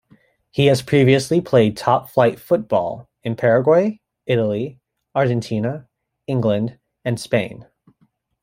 He has previously played top-flight football in Paraguay, Italy, Argentina, England and Spain.